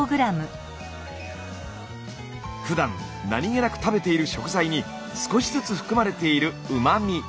ふだん何気なく食べている食材に少しずつ含まれているうま味。